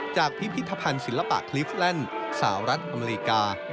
พิพิธภัณฑ์ศิลปะคลีฟแลนด์สหรัฐอเมริกา